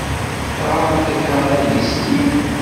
Teɣṛamt akka adlis-nni?